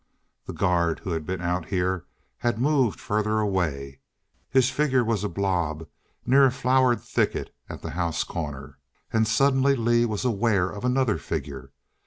The guard who had been out here had moved further away; his figure was a blob near a flowered thicket at the house corner. And suddenly Lee was aware of another figure.